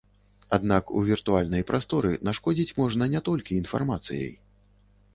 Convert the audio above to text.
Аднак у віртуальнай прасторы нашкодзіць можна не толькі інфармацыяй.